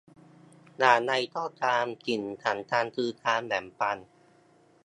อย่างไรก็ตาม สิ่งสำคัญคือการแบ่งปัน